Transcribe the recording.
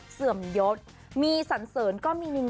ให้เราเชื่อว่าเราจะตั้งมั่นในความนี้